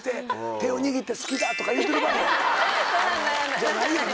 じゃないよね。